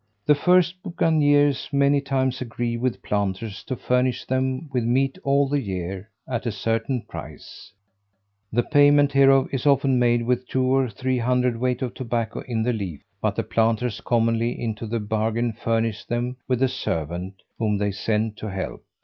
The first bucaniers many times agree with planters to furnish them with meat all the year at a certain price: the payment hereof is often made with two or three hundredweight of tobacco in the leaf; but the planters commonly into the bargain furnish them with a servant, whom they send to help.